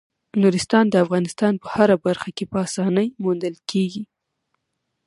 نورستان د افغانستان په هره برخه کې په اسانۍ موندل کېږي.